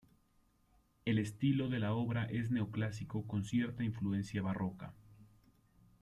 El estilo de la obra es neoclásico con cierta influencia barroca.